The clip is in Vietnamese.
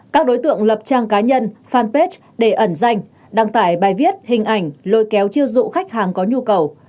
các đối tượng lập trang cá nhân fanpage để ẩn danh đăng tải bài viết hình ảnh lôi kéo chiêu dụ khách hàng có nhu cầu